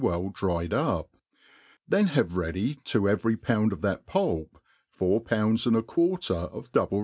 weH dried up ; then have ready fo ' every pound of that pulp, four pounds and a quarter of double*